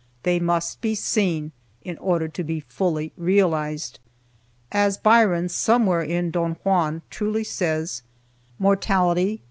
They must be seen in order to be fully realized. As Byron, somewhere in "Don Juan," truly says: "Mortality!